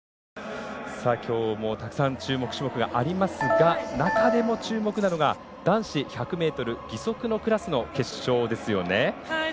きょうもたくさん注目種目がありますが中でも注目なのが男子１００ｍ義足のクラスの決勝ですよね。